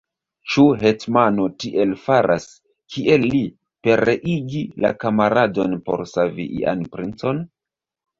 Ĉu hetmano tiel faras, kiel li: pereigi la kamaradon por savi ian princon?